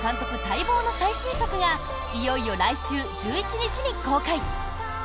待望の最新作がいよいよ来週１１日に公開。